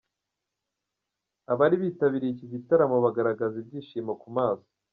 Abari bitabiriye iki gitaramo bagaragazaga ibyishimo ku maso.